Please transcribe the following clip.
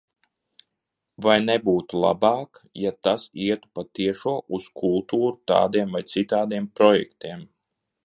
Vai nebūtu labāk, ja tas ietu pa tiešo uz kultūru tādiem vai citādiem projektiem?